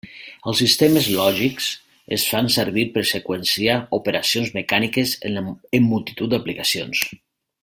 Els sistemes lògics es fan servir per seqüenciar operacions mecàniques en multitud d'aplicacions.